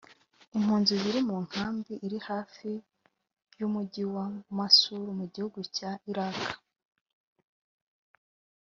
Impunzi ziri mu nkambi iri hafi y’umugi wa Masul mu gihugu cya Irak